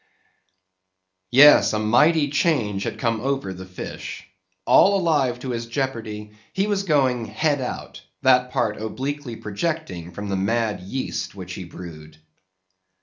Yes, a mighty change had come over the fish. All alive to his jeopardy, he was going "head out"; that part obliquely projecting from the mad yeast which he brewed.